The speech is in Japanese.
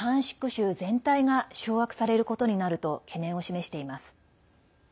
州全体が掌握されることになると懸念を示しています。